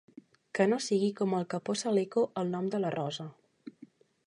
Que no sigui com el que posa l'Eco al nom de la rosa.